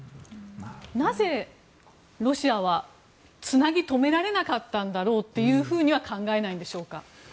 なぜ、ロシアはつなぎ留められなかったんだろうとは考えないんでしょうか。